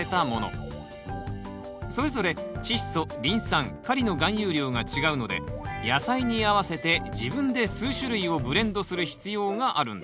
それぞれチッ素リン酸カリの含有量が違うので野菜に合わせて自分で数種類をブレンドする必要があるんです。